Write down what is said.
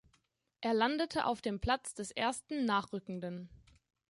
Er landete auf dem Platz des ersten Nachrückenden.